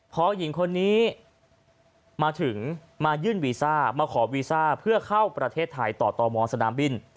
พอหญิงคนนี้มาถึงมายื่นวีซ่ามาขอวีซ่าเพื่อเข้าประเทศไทยต่อตมสนามบิน